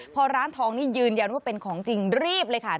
พอร้านทองนี่ยืนยันว่าเป็นของจริงรีบเลยค่ะ